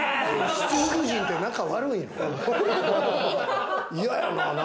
七福神って仲悪いの？